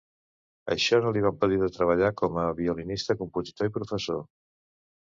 Això no li va impedir de treballar com a violinista, compositor i professor.